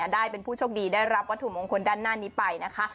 ได้เป็นผู้โชคดีได้รับวัตถุมงคลด้านหน้านี้ไปนะคะ